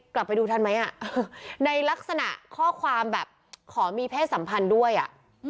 กลับไปดูทันไหมอ่ะในลักษณะข้อความแบบขอมีเพศสัมพันธ์ด้วยอ่ะ